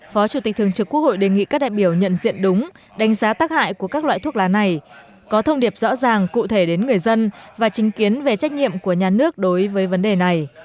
phó chủ tịch thường trực quốc hội đề nghị các đại biểu nhận diện đúng đánh giá tác hại của các loại thuốc lá này có thông điệp rõ ràng cụ thể đến người dân và trinh kiến về trách nhiệm của nhà nước đối với vấn đề này